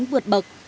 để đạt được sản xuất